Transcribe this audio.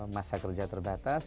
masa kerja terbatas